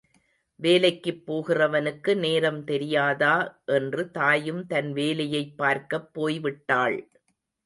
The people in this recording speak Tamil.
வேலைக்குப் போகிறவனுக்கு நேரம் தெரியாதா என்று தாயும் தன் வேலையைப் பார்க்கப் போய் விட்டாள்.